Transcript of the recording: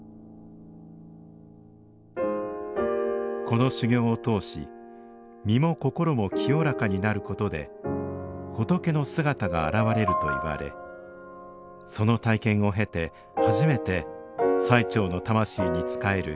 この修行を通し身も心も清らかになることで仏の姿が現れるといわれその体験を経て初めて最澄の魂に仕える